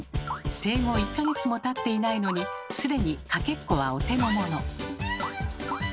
生後１か月もたっていないのに既にかけっこはお手のもの。